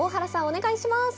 お願いします！